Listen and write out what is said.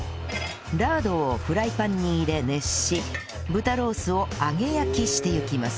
ラードをフライパンに入れ熱し豚ロースを揚げ焼きしていきます